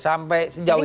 sampai sejauh ini